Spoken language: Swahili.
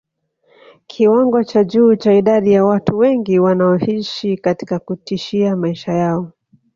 Kiwango cha juu cha idadi ya watu wengi wanaoishi katika kutishia maisha yao